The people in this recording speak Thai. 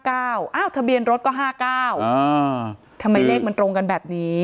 ทะเบียนรถก็๕๙ทำไมเลขมันตรงกันแบบนี้